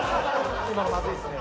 今のまずいですね。